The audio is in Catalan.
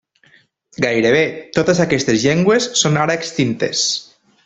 Gairebé totes aquestes llengües són ara extintes.